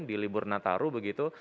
di libur nataru begitu